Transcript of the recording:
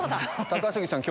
高杉さん